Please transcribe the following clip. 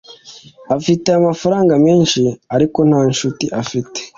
Afite amafaranga menshi, ariko nta nshuti afite.